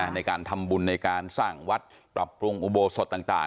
ในการทำบุญในการสร้างวัดปรับปรุงอุโบสถต่าง